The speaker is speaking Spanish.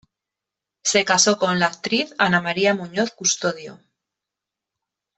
Se casó con la actriz Ana María Muñoz Custodio.